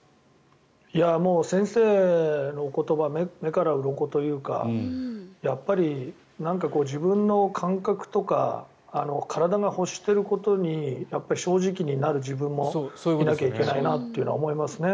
先生のお言葉目からうろこというかやっぱり自分の感覚とか体が欲していることに正直になる自分もいなきゃいけないなと思いますね。